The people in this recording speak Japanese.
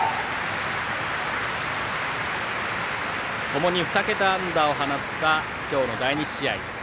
ともに２桁安打を放った今日の第２試合。